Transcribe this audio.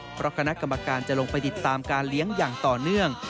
เพราะคณะกรรมการจะลงไปติดตามการเลี้ยงอย่างต่อเนื่อง